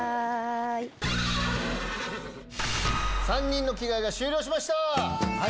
３人の着替えが終了しました。